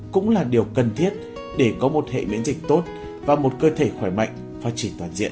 cũng là điều cần thiết để có một hệ miễn dịch tốt và một cơ thể khỏe mạnh phát triển toàn diện